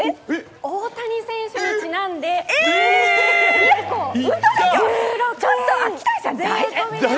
大谷選手にちなんで、１個１６円。